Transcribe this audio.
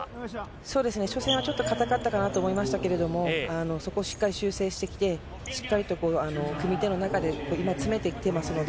初戦はちょっと硬かったかなと思いましたけれども、そこをしっかり修正してきて、しっかりと組み手の中で詰めていっていますので。